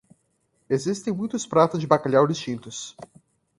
Existem muitos pratos de bacalhau distintos.